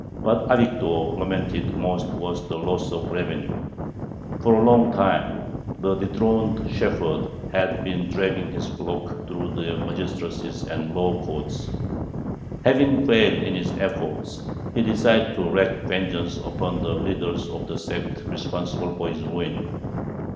What Avigdor lamented most was the loss of revenue. For a long time the dethroned shepherd had been dragging his flock through the magistracies and law courts. Having failed in his efforts, he decided to wreak vengeance upon the leader of the sect responsible for his ruin.